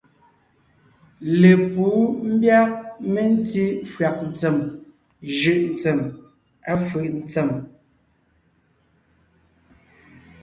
Lepǔ ḿbyág mentí fÿàg ntsèm jʉ̀’ ntsѐm, à fʉ̀’ ntsém.